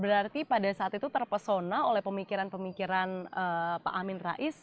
berarti pada saat itu terpesona oleh pemikiran pemikiran pak amin rais